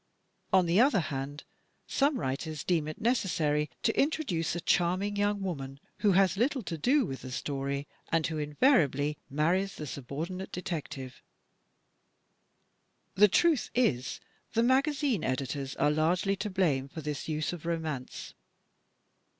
On the other hand, some writers deem it necessary to intro duce a charming young woman who has little to do with the story, and who invariably marries the subordinate detective. The truth is, the magazine editors are largely to blame for this use of romance.